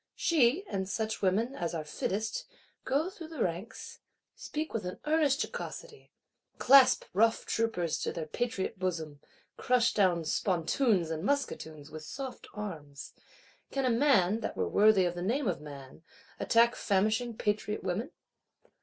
She, and such women as are fittest, go through the ranks; speak with an earnest jocosity; clasp rough troopers to their patriot bosom, crush down spontoons and musketoons with soft arms: can a man, that were worthy of the name of man, attack famishing patriot women?